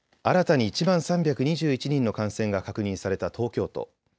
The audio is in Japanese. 新たに１万３２１人の感染が確認された東京都。